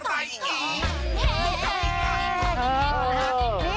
ขอไม่แห้ง